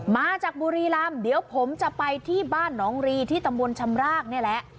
มาจากบุรีรำเดี๋ยวผมจะไปที่บ้านหนองรีที่ตำบลชำรากนี่แหละ